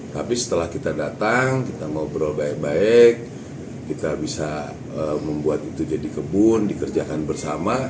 tapi setelah kita datang kita ngobrol baik baik kita bisa membuat itu jadi kebun dikerjakan bersama